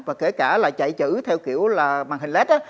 và kể cả là chạy chữ theo kiểu là màn hình led